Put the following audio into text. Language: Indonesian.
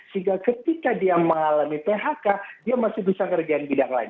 sehingga ketika dia mengalami phk dia masih bisa kerjain bidang lain